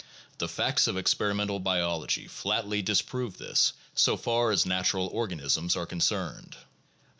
The facts of experimental biology flatly dis prove this so far as natural organisms are concerned.